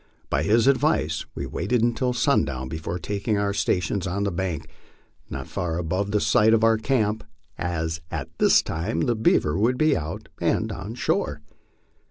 By his advice we waited until sundown before taking our stations on the bank, not far above the site of our camp, as at that time the beaver would be out and on shore.